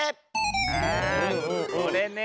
あこれね。